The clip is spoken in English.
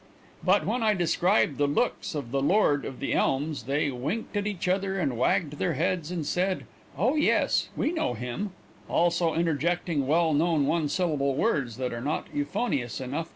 But when I described the looks of the lord of The Elms they wink at each other and wagged their heads and said, "Oh, yes, we know him," also interjecting well known one syllable words that are not euphonious enough to print.